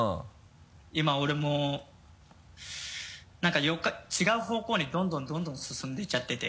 今俺も何か違う方向にどんどんどんどん進んで行っちゃってて。